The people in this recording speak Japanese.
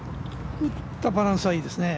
打ったバランスはいいですね。